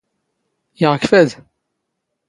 ⵢⴰⵖ ⴽ ⴼⴰⴷ?